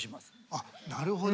あっなるほどね。